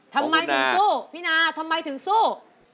ทำไมถึงสู้พี่นาทำไมถึงสู้